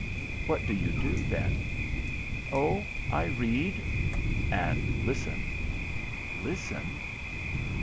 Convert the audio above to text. "What do you do, then?" "Oh, I read and listen." "Listen?"